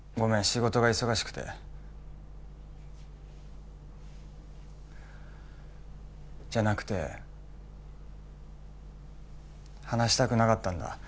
仕事が忙しくてじゃなくて話したくなかったんだ